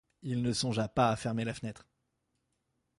Il ne songea pas à fermer la fenêtre.